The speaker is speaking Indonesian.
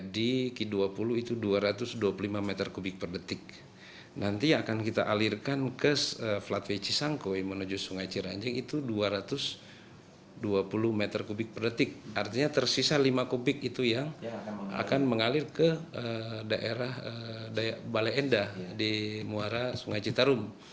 di muara sungai citarum